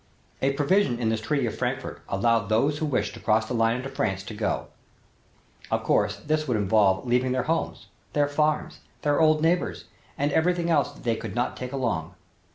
A provision in this Treaty of Frankfort allowed those who wished to cross the line into France to go. Of course this would involve leaving their homes, their farms, their old neighbors and everything else that they could not take along.